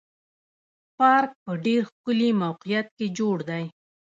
پارک په ډېر ښکلي موقعیت کې جوړ دی.